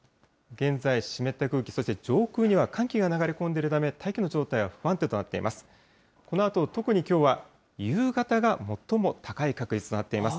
現在、湿った空気、そして上空には寒気が流れ込んでいるため、大気の状態は不安定となっています。